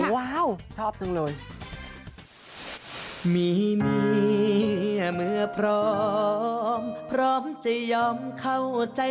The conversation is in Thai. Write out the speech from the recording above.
ว้าวชอบจังเลย